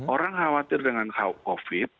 orang khawatir dengan covid